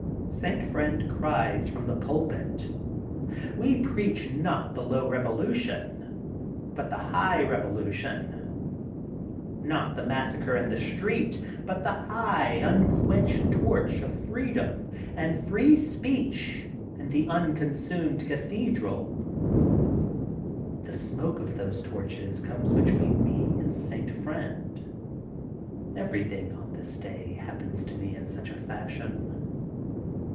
St. Friend cries from the pulpit: We preach not the low revolu tion, but the high revolution, not the massacre in the street, but the high unquenched torch of freedom and free speech in the unconsumed cathedral'' The smoke of those torches comes between me and St. Friend. Everything on this day happens to me in such a fashion.